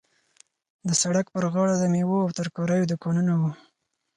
د سړک پر غاړه د میوو او ترکاریو دوکانونه وو.